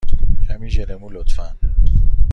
کمی ژل مو، لطفا.